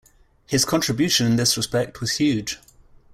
His contribution in this respect was huge.